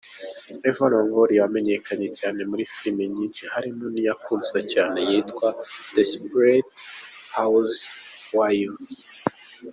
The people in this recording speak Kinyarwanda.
Eva Longoria yamenyekanye cyane muri filime nyishi harimo nk’iyakunzwe cyane yitwa "Desperate Housewives” .